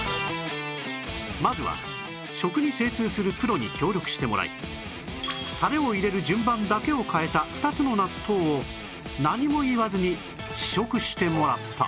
まずは食に精通するプロに協力してもらいタレを入れる順番だけを変えた２つの納豆を何も言わずに試食してもらった